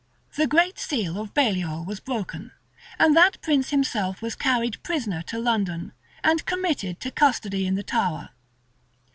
The great seal of Bailol was broken; and that prince himself was carried prisoner to London, and committed to custody in the Tower.